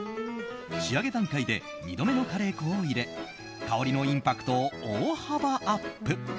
仕上げ段階で２度目のカレー粉を入れ香りのインパクトを大幅アップ。